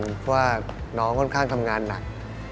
เพราะว่าน้องค่อนข้างทำงานหนัก